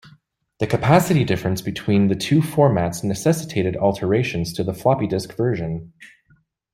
The capacity difference between the two formats necessitated alterations to the floppy disk version.